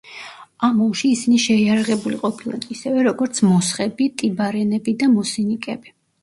ამ ომში ისინი შეიარაღებული ყოფილან ისევე, როგორც მოსხები, ტიბარენები და მოსინიკები.